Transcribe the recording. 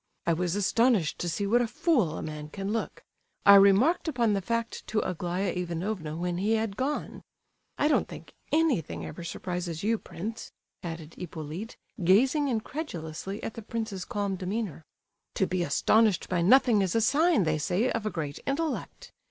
I was astonished to see what a fool a man can look. I remarked upon the fact to Aglaya Ivanovna when he had gone. I don't think anything ever surprises you, prince!" added Hippolyte, gazing incredulously at the prince's calm demeanour. "To be astonished by nothing is a sign, they say, of a great intellect.